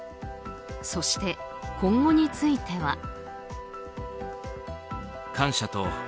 そして、今後については。